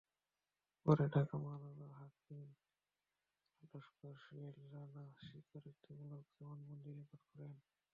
পরে ঢাকার মহানগর হাকিম লস্কর সোহেল রানা তাদের স্বীকারোক্তিমূলক জবানবন্দি রেকর্ড করেন।